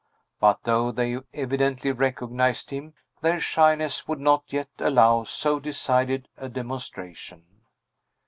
But, though they evidently recognized him, their shyness would not yet allow so decided a demonstration.